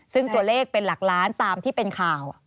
ซึ่งตัวเลขเป็นหลักล้านตามที่เป็นข่าว